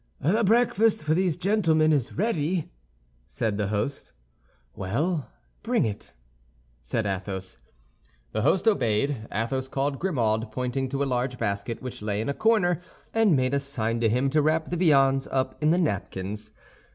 "The breakfast for these gentlemen is ready," said the host. "Well, bring it," said Athos. The host obeyed. Athos called Grimaud, pointed to a large basket which lay in a corner, and made a sign to him to wrap the viands up in the napkins.